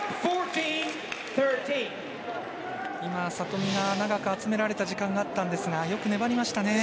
今、里見が長く集められた時間があったんですがよく粘りましたね。